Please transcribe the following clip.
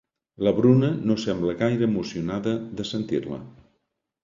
La Bruna no sembla gaire emocionada de sentir-la.